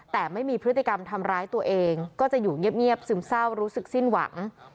แต่ไม่มีพฤติกรรมทำร้ายตัวเองก็จะอยู่เงียบซึมเศร้ารู้สึกสิ้นหวัง